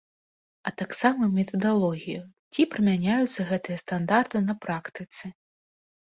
А таксама метадалогію, ці прымяняюцца гэтыя стандарты на практыцы.